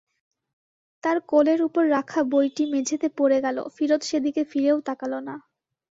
তার কোলের ওপর রাখা বইটি মেঝেতে পড়ে গেল, ফিরোজ সেদিকে ফিরেও তাকাল না।